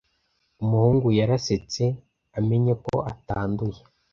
Umuhungu yarasetse amenye ko atanduye.